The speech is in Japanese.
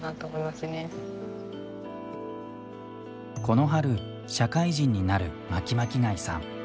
この春、社会人になるまきまき貝さん。